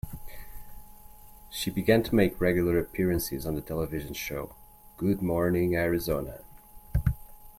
She began to make regular appearances on the television show, Good Morning Arizona.